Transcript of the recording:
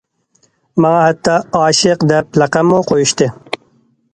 ماڭا ھەتتا‹‹ ئاشىق›› دەپ لەقەممۇ قويۇشتى.